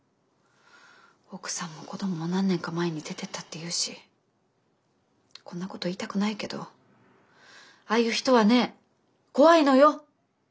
奥さんも子供も何年か前に出ていったっていうしこんなこと言いたくないけどああいう人はね怖いのよ。